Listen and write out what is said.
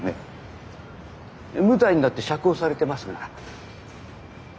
無罪になって釈放されてますが。